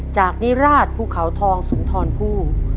จากนิราชภูเขาทองสุนทรผู้